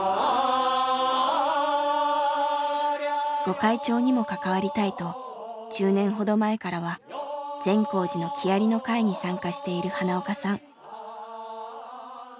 御開帳にも関わりたいと１０年ほど前からは善光寺の木遣りの会に参加している花岡さん。